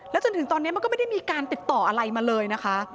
จนถึงตอนนี้มันก็ไม่ได้มีการติดต่ออะไรมาเลยนะคะ